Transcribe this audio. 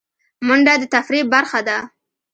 منډه د تفریح برخه ده